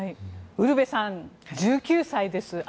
ウルヴェさん、１９歳です